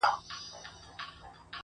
اوس د چا پر پلونو پل نږدم بېرېږم.